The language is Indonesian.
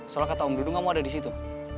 soalnya kata om dulu kamu ada di situ